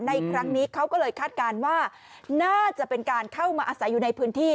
ในครั้งนี้เขาก็เลยคาดการณ์ว่าน่าจะเป็นการเข้ามาอาศัยอยู่ในพื้นที่